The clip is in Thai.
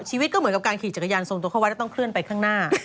ชีวิตก็เหมือนกับการขี่จักรยานส่งตัวเข้าวัดแล้วต้องเคลื่อนไปข้างหน้า